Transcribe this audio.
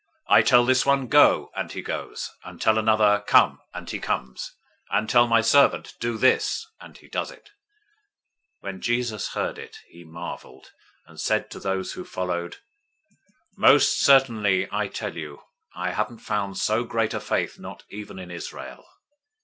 I tell this one, 'Go,' and he goes; and tell another, 'Come,' and he comes; and tell my servant, 'Do this,' and he does it." 008:010 When Jesus heard it, he marveled, and said to those who followed, "Most certainly I tell you, I haven't found so great a faith, not even in Israel.